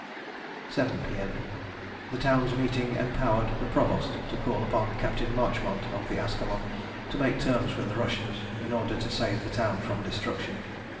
7 P.M. The towns meeting empowered the Provost to call upon Captain Marchmont, of the Ascalon, to make terms with the Russians in order to save the town from destruction.